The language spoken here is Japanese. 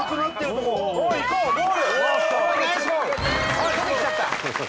あっ出てきちゃった。